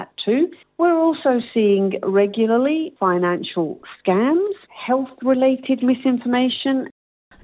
kita juga melihat skandal finansial informasi disinformasi terkait kesehatan